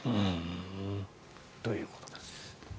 ということです。